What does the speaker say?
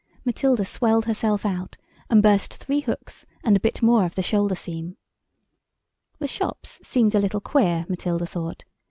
Matilda swelled herself out and burst three hooks and a bit more of the shoulder seam. The shops seemed a little queer, Matilda thought.